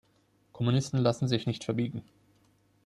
Kommunisten lassen sich nicht verbiegen.